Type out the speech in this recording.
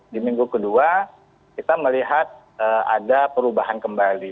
di minggu kedua kita melihat ada perubahan kembali